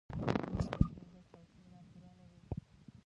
مېز بېله چوکۍ نه پوره نه وي.